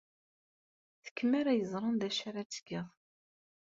D kemm ara yeẓren d acu ara tgeḍ.